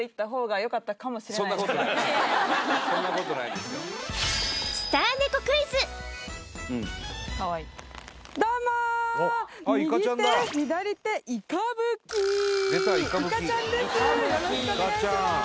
よろしくお願いします